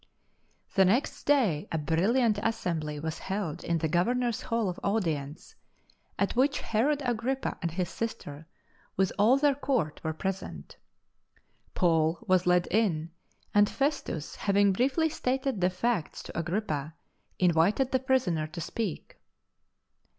The next day a brilliant assembly was held in the Governor s Hall of Audience, at which Herod Agrippa and his sister, with all their Court, were present. Paul was led in, and Festus, having briefly stated the facts to Agrippa, invited the prisoner to speak.